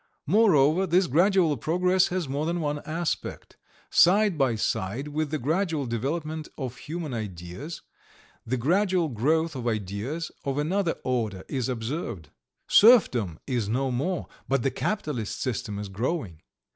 Moreover, this gradual process has more than one aspect. Side by side with the gradual development of human ideas the gradual growth of ideas of another order is observed. Serfdom is no more, but the capitalist system is growing.